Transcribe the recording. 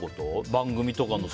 番組とかの。